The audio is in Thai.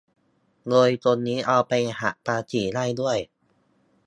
โดยตรงนี้เอาไปหักภาษีได้ด้วย